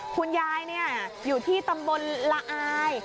คุณยายอยู่ที่ตำบลละอาย